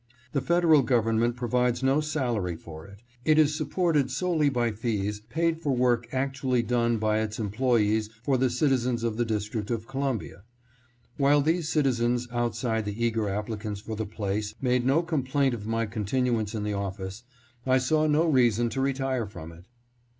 The Federal Government provides no salary for it. It is supported solely by fees paid for work actually done by its employees for the citizens of the District of Columbia. While these citizens, outside the eager applicants for the place, made no complaint of my continuance in the office, I saw no reason to retire from it.